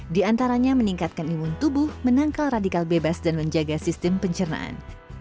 di antaranya meningkatkan imun tubuh menangkal radikal bebas dan menjaga sistem pencernaan